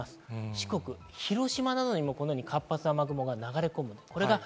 四国、広島などにも活発な雨雲が流れ込みます。